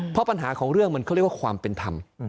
เพราะปัญหาของเรื่องมันเขาเรียกว่าความเป็นธรรม